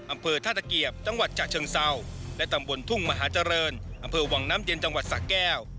อำเภอท่าตะเกียบจังหวัดฉะเชิงเศร้าและตำบลทุ่งมหาเจริญอำเภอวังน้ำเย็นจังหวัดสะแก้ว